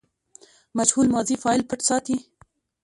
مجهول ماضي فاعل پټ ساتي.